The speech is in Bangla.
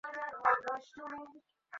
ওরা আমাদের বারবার খুঁজে পাচ্ছে কীভাবে?